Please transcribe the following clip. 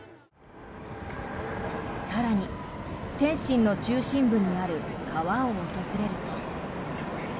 更に、天津の中心部にある川を訪れると。